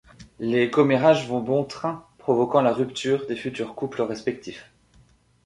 Les commérages vont bon train provoquant la rupture des futurs couples respectifs.